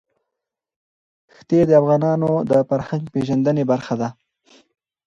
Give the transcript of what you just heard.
ښتې د افغانانو د فرهنګي پیژندنې برخه ده.